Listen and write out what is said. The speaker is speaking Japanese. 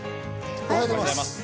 おはようございます。